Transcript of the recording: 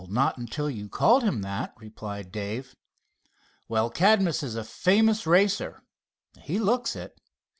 "Not until you called him that," replied Dave. "Well, Cadmus is a famous racer." "He looks it."